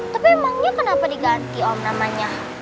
tapi emangnya kenapa diganti om namanya